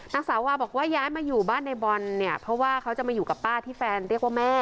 นางสาวาบอกว่าย้ายมาอยู่บ้านในบอลเนี่ยเพราะว่าเขาจะมาอยู่กับป้าที่แฟนเรียกว่าแม่